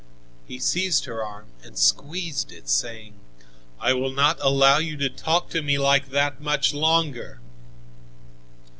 He seized her arm and squeezed it, saying: "I will not allow you to talk to me like that much longer."